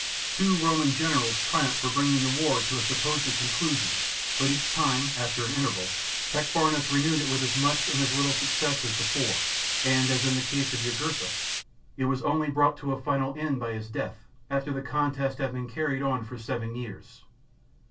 Two Roman generals triumphed for bringing the war to a supposed conclusion, but each time, after an interval, Tacfarinas renewed it with as much and as little success as before; and, as in the case of Jugurtha, it was only brought to a final end by his death, after the contest had been carried on for seven years (a.